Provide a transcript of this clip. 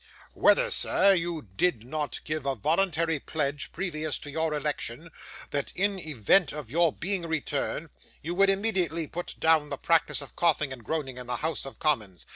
Whether, sir, you did not give a voluntary pledge previous to your election, that in event of your being returned, you would immediately put down the practice of coughing and groaning in the House of Commons.